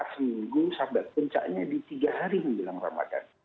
seminggu sampai pencahnya di tiga hari menjelang ramadhan